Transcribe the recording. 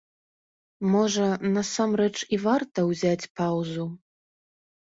Можа, насамрэч і варта ўзяць паўзу?